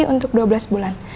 untuk dua belas bulan